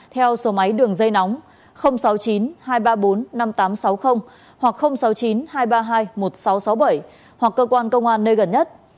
theo số máy đường dây nóng sáu mươi chín hai trăm ba mươi bốn năm nghìn tám trăm sáu mươi hoặc sáu mươi chín hai trăm ba mươi hai một nghìn sáu trăm sáu mươi bảy hoặc cơ quan công an nơi gần nhất